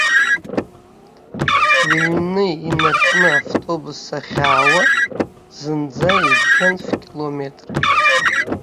Рыҩны инаркны автобус ахьаауазынӡа ибжьан ф-километрак.